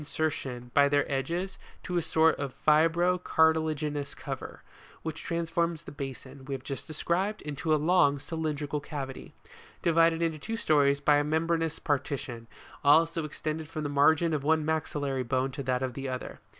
129 sertion, by their edges, to a sort of fibro cartilaginous cover, which transforms the basin, we have just described, into a long, cylindrical cavity, divided into two stories by a membranous partition, also extended from the margin of one maxillary bone to that of the other.